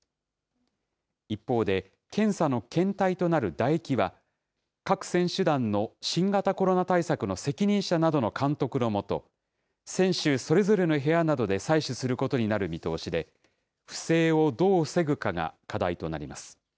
一方で、検査の検体となる唾液は、各選手団の新型コロナ対策の責任者などの監督の下、選手それぞれの部屋などで採取することになる見通しで、不正をどう防ぐかが課題となります。